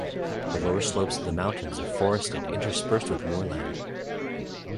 The lower slopes of the mountains are forested interspersed with moorland.